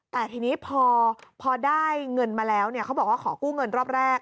แต่ทีนี้พอได้เงินมาแล้วเขาบอกว่าขอกู้เงินรอบแรก